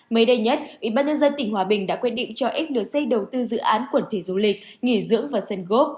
mới đây nhất ubnd tp hòa bình đã quyết định cho flc đầu tư dự án quần thể du lịch nghỉ dưỡng và sân gốc